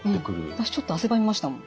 私ちょっと汗ばみましたもん。